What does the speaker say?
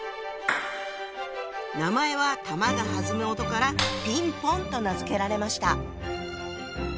名前は球が弾む音から「ピンポン」と名付けられました。